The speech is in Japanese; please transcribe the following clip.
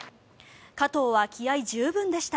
加藤は気合十分でした。